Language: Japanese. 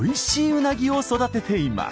うなぎを育てています。